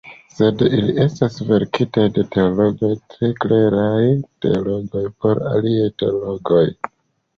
Sed ili estas verkitaj de teologoj, tre kleraj teologoj, por aliaj teologoj.